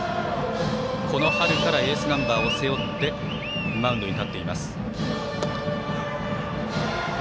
この春からエースナンバーを背負ってマウンドに立っています。